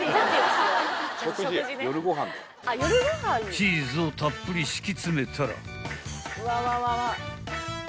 ［チーズをたっぷり敷き詰めたら］